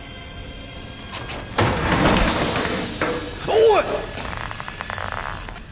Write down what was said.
おい！